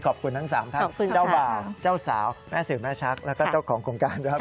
ทั้ง๓ท่านเจ้าบ่าวเจ้าสาวแม่สื่อแม่ชักแล้วก็เจ้าของโครงการด้วยครับ